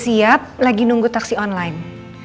siap lagi nunggu taksi online